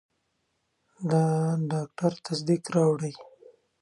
د ډاکټر تصدیق راوړئ.